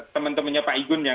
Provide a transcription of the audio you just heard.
teman temannya pak igun